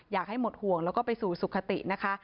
อยากให้หมดห่วงแล้วก็ไปสู่สุขตินะคะ